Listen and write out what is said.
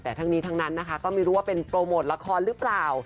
แต่ทั้งนี้ทั้งนั้นนะคะก็ไม่รู้ว่าเป็นโปรโมทละครหรือเปล่า